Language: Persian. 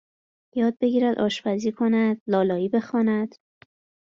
یاد بگیرد آشپزی کند لالایی بخواند